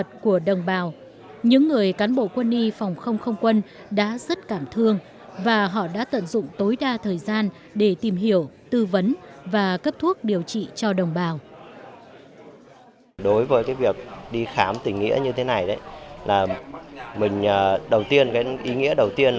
chủ cán bộ y bác sĩ viện y học phòng không không quân đã vượt núi băng ngàn ngược dòng sông mã về khám sức khỏe và cấp thuốc điều trị cho đồng bào các dân tộc của huyện mường lát